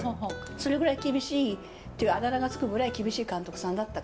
それぐらい厳しいっていうあだ名が付くぐらい厳しい監督さんだったから。